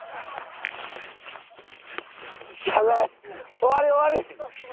終わり終わり！